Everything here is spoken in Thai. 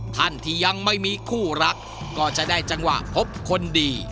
ท่านที่ยังไม่มีคู่รักก็จะได้จังหวะพบคนดี